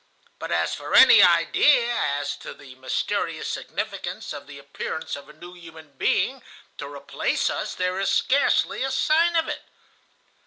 But as for any idea as to the mysterious significance of the appearance of a new human being to replace us, there is scarcely a sign of it.